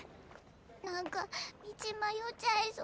何か道迷っちゃいそう。